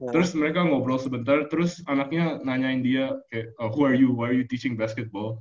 terus mereka ngobrol sebentar terus anaknya nanyain dia kayak who are you why are you teaching basketball